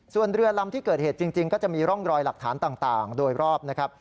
ส่วนเรือลำที่เกิดเหตุจริงก็จะมีร่องรอยหลักฐานต่างโดยรอบนะครับ